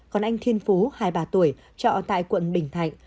còn anh thiên phú hai mươi ba tuổi trọ tại quận bình thạnh